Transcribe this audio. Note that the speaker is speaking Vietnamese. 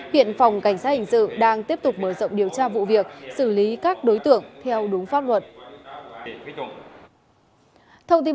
hiện phòng cảnh sát hình sự đang tiếp tục mở rộng điều tra vụ việc xử lý các đối tượng theo đúng pháp luật